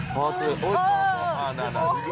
พอเจอโอ้โฮยน่ารัก